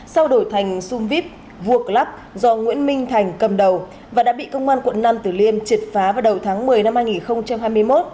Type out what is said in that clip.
sau đổi thành xung vip vuộc lắp do nguyễn minh thành cầm đầu và đã bị công an quận năm tuyệt liên triệt phá vào đầu tháng một mươi năm hai nghìn hai mươi một